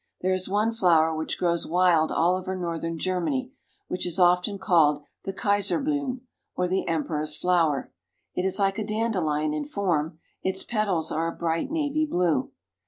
There is one flower which grows wild all over northern Germany which is often called the Kaiserblume, or the emperor's flower. It is like a dandelion in form ; its petals are a bright navy blue.